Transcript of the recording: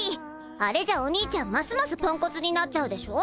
あれじゃお兄ちゃんますますポンコツになっちゃうでしょ。